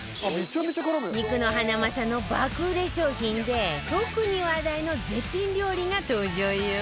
肉のハナマサの爆売れ商品で特に話題の絶品料理が登場よ